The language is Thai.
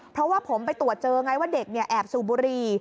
เพราะว่าผมไปตรวจเจอไงว่าเด็กแอบสูบบุรี